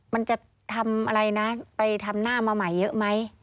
มันจะทำอะไรนะไปทำหน้ามาใหม่เยอะไหม